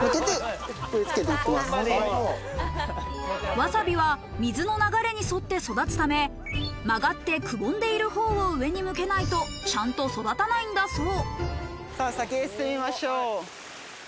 わさびは水の流れに沿って育つため、曲がってくぼんでいるほうを上に向けないと、ちゃんと育たないんだそう。